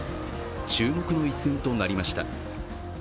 注目の一戦となりました。